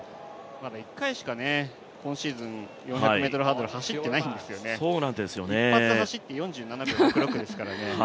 １回しか今シーズン４００ｍハードル走っていないですからね、一発走って４７秒６６ですからね。